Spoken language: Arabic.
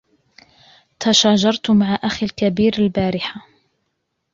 تشاجرت مع أخي الكبير البارحة.